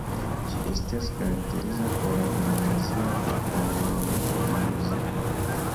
Ĝi estas karakteriza por la indonezia popolmuziko.